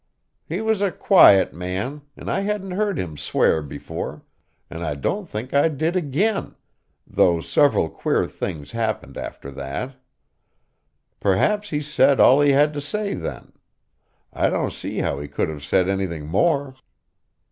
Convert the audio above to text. He was a quiet man, and I hadn't heard him swear before, and I don't think I did again, though several queer things happened after that. Perhaps he said all he had to say then; I don't see how he could have said anything more.